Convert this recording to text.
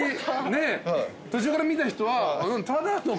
途中から見た人はただの。